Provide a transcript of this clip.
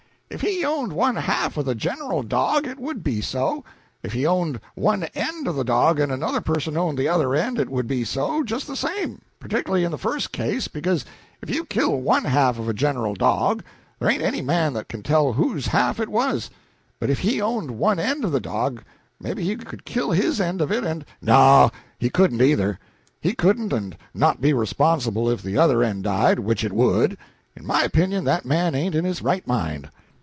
If he owned one half of the general dog, it would be so; if he owned one end of the dog and another person owned the other end, it would be so, just the same; particularly in the first case, because if you kill one half of a general dog, there ain't any man that can tell whose half it was, but if he owned one end of the dog, maybe he could kill his end of it and " "No, he couldn't either; he couldn't and not be responsible if the other end died, which it would. In my opinion that man ain't in his right mind."